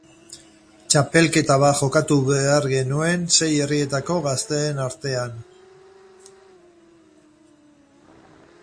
Txapelketa bat jokatu behar genuen sei herrietako gazteen artean.